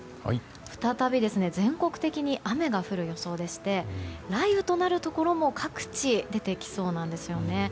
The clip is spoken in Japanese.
再び、全国的に雨が降る予想でして雷雨となるところも各地、出てきそうなんですよね。